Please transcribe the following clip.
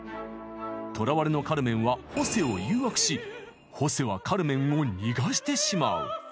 捕らわれのカルメンはホセはカルメンを逃がしてしまう。